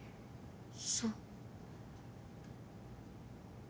そう